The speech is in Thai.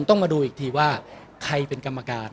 ก็ต้องทำอย่างที่บอกว่าช่องคุณวิชากำลังทำอยู่นั่นนะครับ